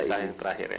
aisyah yang terakhir ya